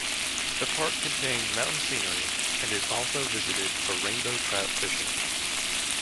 The park contains mountain scenery and is also visited for rainbow trout fishing.